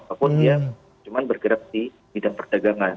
ataupun dia cuman bergerak di bidang perdagangan